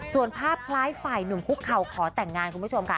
ส่วนภาพคล้ายฝ่ายหนุ่มคุกเข่าขอแต่งงานคุณผู้ชมค่ะ